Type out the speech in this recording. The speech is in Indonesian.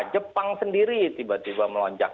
jepang sendiri tiba tiba melonjak